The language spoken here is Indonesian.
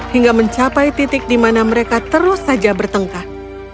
hingga mencapai titik di mana mereka terus saja bertengkar